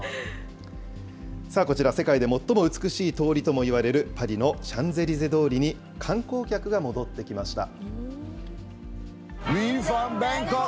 こちら、世界で最も美しい通りともいわれる、パリのシャンゼリゼ通りに観光客が戻ってきました。